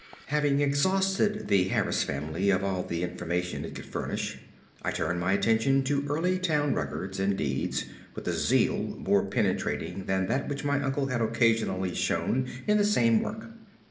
Having exhausted the Harris family of all the information it could furnish, I turned my attention to early town records and deeds with a zeal more penetrating than that which my uncle had occasionally shown in the same work.